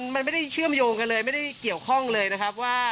มันไม่ได้เชื่อมโยงกันเลยไม่ได้เกี่ยวข้องเลยนะครับว่า